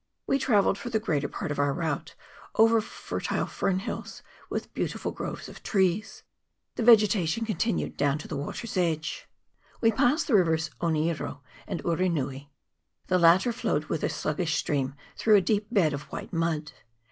We travelled, for the greater part of our route, over fertile fern hills, with beautiful groves of trees. The vegetation continued down to the water's edge. We passed the rivers Oneiro and Urenui; the latter flowed with a sluggish stream through a deep bed of white mud.